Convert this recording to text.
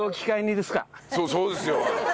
そうそうですよ。